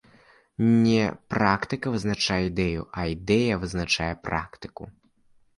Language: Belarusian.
Не практыка вызначае ідэю, а ідэя вызначае практыку.